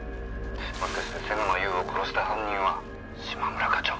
「もしかして瀬沼優を殺した犯人は嶋村課長」